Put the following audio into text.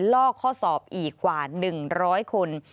ลอกข้อสอบอีกกว่า๑๐๐คน